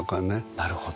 なるほど。